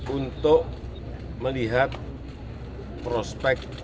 untuk melihat prospek